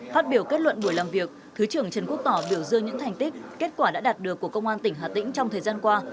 phát biểu kết luận buổi làm việc thứ trưởng trần quốc tỏ biểu dương những thành tích kết quả đã đạt được của công an tỉnh hà tĩnh trong thời gian qua